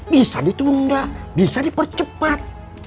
bisa ditunda bisa dipercepat